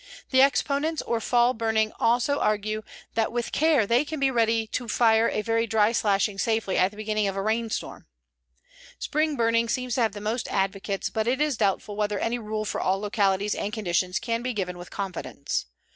The exponents or fall burning also argue that with care they can be ready to fire a very dry slashing safely at the beginning of a rainstorm. Spring burning seems to have the most advocates, but it is doubtful whether any rule for all localities and conditions can be given with confidence.